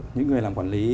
những người làm quản lý